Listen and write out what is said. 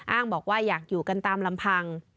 บอกว่าอยากอยู่กันตามลำพัง